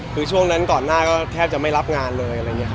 คือช่วงนั้นก่อนหน้าก็แทบจะไม่รับงานเลย